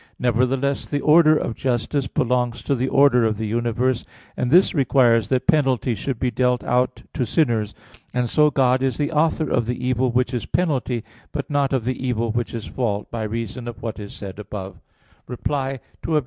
Nevertheless the order of justice belongs to the order of the universe; and this requires that penalty should be dealt out to sinners. And so God is the author of the evil which is penalty, but not of the evil which is fault, by reason of what is said above. Reply Obj.